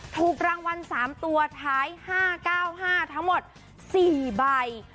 ถูกรางวัล๓ตัวท้าย๕๙๕ทั้งหมด๔ใบ